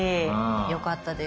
よかったです。